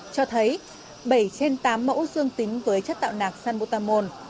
cho thấy bảy trên tám mẫu dương tính với chất tạo nạc sanbotamol